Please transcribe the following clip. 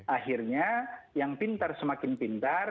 akhirnya yang pintar semakin pintar